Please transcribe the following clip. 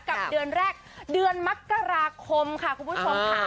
กับเดือนแรกเดือนมกราคมค่ะคุณผู้ชมค่ะ